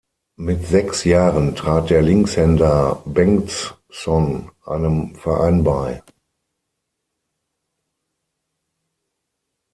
Mit sechs Jahren trat der Linkshänder Bengtsson einem Verein bei.